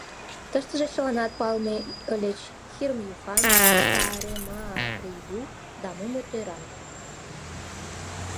Тыштыже чыланат палыме ыльыч: Хирм Юхан, Сааремаа Рийду да Мумо-тӧра.